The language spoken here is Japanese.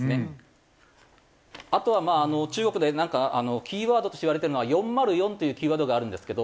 あとは中国でキーワードとしていわれているのは４０４というキーワードがあるんですけど。